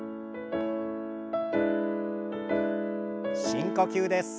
深呼吸です。